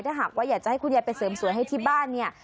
ถ้าหากว่าอยากจะให้คุณยายไปเสริมสวยให้ที่บ้านเนี่ย